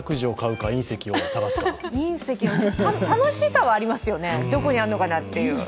楽しさはありますよね、どこにあるのかなっていう。